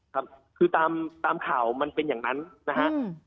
ครับคือตามข่าวมันเป็นอย่างนั้นนะฮะ